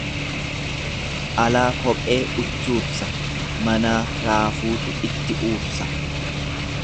Alaa kophee uchuursa, manaa raafuutu itti uursa.